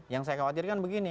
yang saya khawatirkan begini